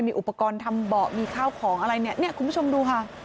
มีอุปกรณ์ทำเบาะมีข้าวของอะไรเนี่ยเนี่ยคุณผู้ชมดูค่ะ